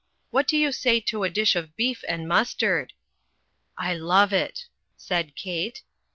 "What do you say to a dish of beef and mustard?" "I love it," said Kate.